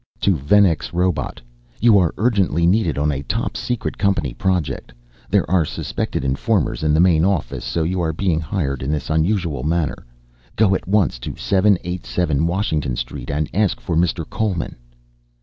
_To Venex Robot: You are urgently needed on a top secret company project. There are suspected informers in the main office, so you are being hired in this unusual manner. Go at once to 787 Washington Street and ask for Mr. Coleman.